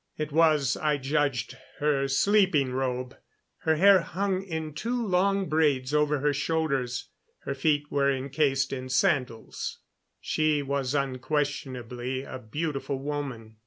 It was, I judged, her sleeping robe. Her hair hung in two long braids over her shoulders; her feet were incased in sandals. She was unquestionably a beautiful woman.